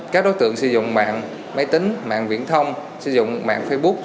các đối tượng sử dụng mạng máy tính mạng viễn thông sử dụng mạng facebook